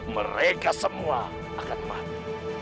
mereka semua akan mati